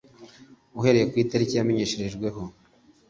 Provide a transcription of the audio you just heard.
uhereye ku itariki yamenyesherejweho